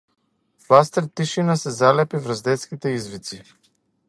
Фластер тишина се залепи врз детските извици.